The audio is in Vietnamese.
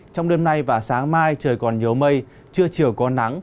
trong đêm nay và sáng mai trời còn nhiều mây trưa chiều có nắng